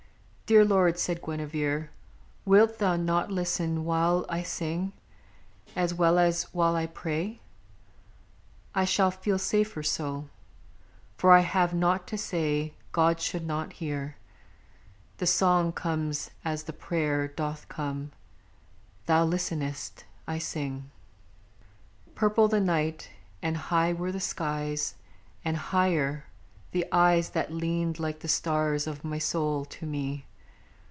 Dear Lord," (Said Guinevere), "wilt thou not listen while I sing, as well as while I pray? I shall Feel safer so. For I have naught to say God should not hear. The song comes as the prayer Doth come. Thou listenest. I sing." ... _Purple the night, and high were the skies, and higher The eyes that leaned like the stars of my soul, to me.